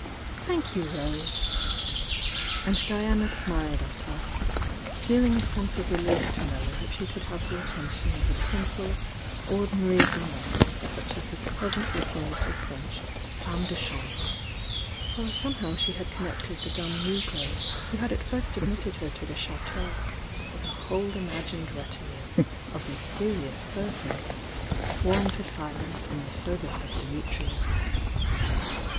"Thank you. Rose!" and Diana smiled at her, feeling a sense of relief to know that she could have the attention of a simple ordinary domestic such as this pleasant looking little French jemme de cham bre, — for somehow she had connected the dumb ne gro who had at first admitted her to the Chateau with a whole imagined retinue of mysterious per sons, sworn to silence in the ser\dce of Dimitrius.